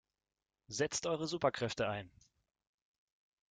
Setzt eure Superkräfte ein!